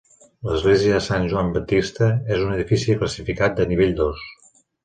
L'església de Sant Joan Baptista és un edifici classificat de nivell dos.